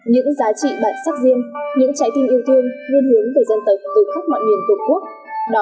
những giá trị bản sắc riêng những trái tim yêu thương nguyên hướng về dân tộc từ khắp mọi nguyên vùng quốc